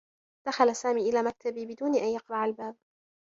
دخل سامي إلى مكتبي بدون أن يقرع الباب.